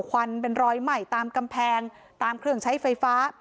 ควันเป็นรอยใหม่ตามกำแพงตามเครื่องใช้ไฟฟ้า